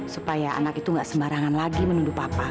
supaya anak itu gak sembarangan lagi menuduh papa